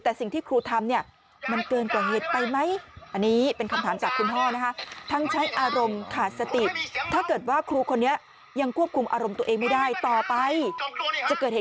แต่สิ่งที่ครูทำเนี่ยมันเกินกว่าเหตุไปไหม